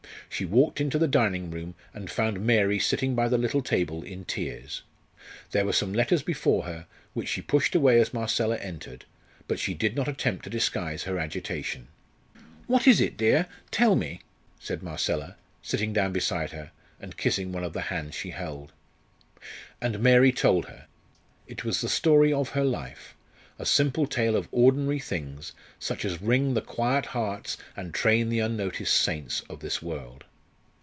She walked into the dining room, and found Mary sitting by the little table in tears. There were some letters before her, which she pushed away as Marcella entered, but she did not attempt to disguise her agitation. "What is it, dear? Tell me," said Marcella, sitting down beside her, and kissing one of the hands she held. And Mary told her. It was the story of her life a simple tale of ordinary things, such as wring the quiet hearts and train the unnoticed saints of this world.